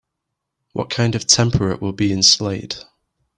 What kind of temperate will be in Slade?